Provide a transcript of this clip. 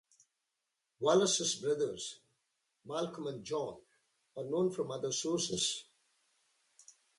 Wallace's brothers Malcolm and John are known from other sources.